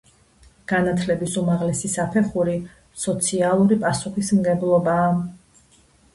განათლების უმაღლესი საფეხური სოციალური პასუხისმგებლობაა.